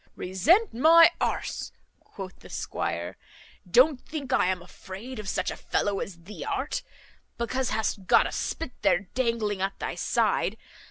"Resent my a ," quoth the squire. "Don't think I am afraid of such a fellow as thee art! because hast got a spit there dangling at thy side.